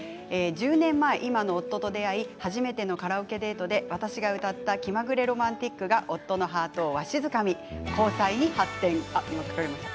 １０年前今の夫と出会い初めてのカラオケデートで私が歌った「気まぐれロマンティック」が夫のハートわしづかみ交際に発展しました。